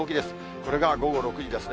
これが午後６時ですね。